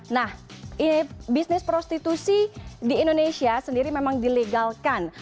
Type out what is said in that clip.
nah bisnis prostitusi di indonesia sendiri memang di legalkan